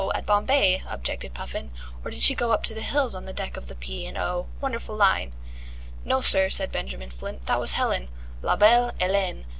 at Bombay," objected Puffin. "Or did she go up to the hills on the deck of the P. and O.? Wonderful line!" "No, sir," said Benjamin Flint, "that was Helen, la belle Hélène.